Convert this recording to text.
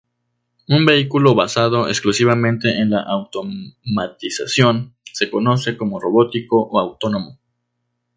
Un vehículo basado exclusivamente en la automatización se conoce como robótico o autónomo.